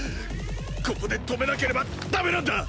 ここで止めなければダメなんだ！